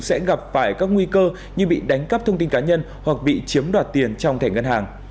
sẽ gặp phải các nguy cơ như bị đánh cắp thông tin cá nhân hoặc bị chiếm đoạt tiền trong thẻ ngân hàng